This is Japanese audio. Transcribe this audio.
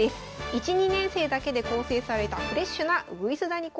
１２年生だけで構成されたフレッシュな鶯谷高校チーム。